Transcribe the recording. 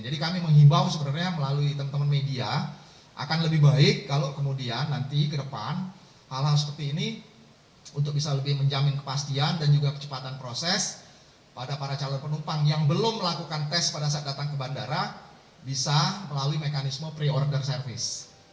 jadi kami menghibau sebenarnya melalui teman teman media akan lebih baik kalau kemudian nanti ke depan hal hal seperti ini untuk bisa lebih menjamin kepastian dan juga kecepatan proses pada para calon penumpang yang belum melakukan tes pada saat datang ke bandara bisa melalui mekanisme pre order service